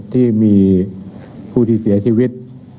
ที่มีผู้ที่เสียชีวิต